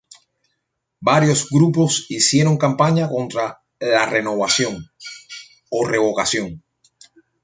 Varios grupos hicieron campaña contra la revocación.